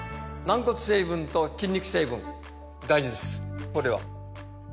軟骨成分と筋肉成分大事です